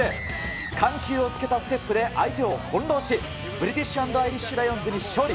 緩急をつけたステップで相手を翻弄し、ブリティッシュ＆アイリッシュライオンズに勝利。